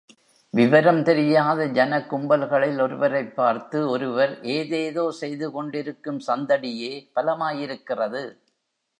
விவரம் தெரியாத ஜனக் கும்பல்களில் ஒருவரைப் பார்த்து ஒருவர் ஏதேதோ செய்துகொண்டிருக்கும் சந்தடியே பலமாயிருக்கிறது.